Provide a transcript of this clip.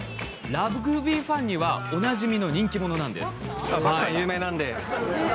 ラグビーファンにはおなじみの人気者です。